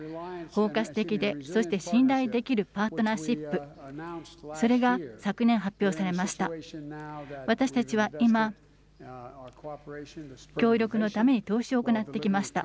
包括的で、そして信頼できるパートナーシップ、それが昨年、発表されました。